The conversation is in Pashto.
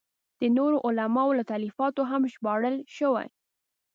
د نورو علماوو له تالیفاتو هم ژباړل شوي.